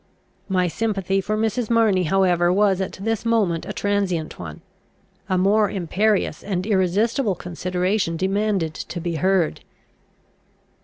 My sympathy for Mrs. Marney however was at this moment a transient one. A more imperious and irresistible consideration demanded to be heard.